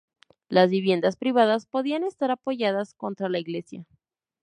Las viviendas privadas podían estar apoyadas contra la iglesia.